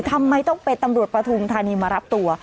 ทำไมต้องเป็นตำรวจปฐุมธานีมารับตัว